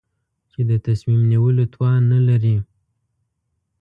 چې د تصمیم نیولو توان نه لري.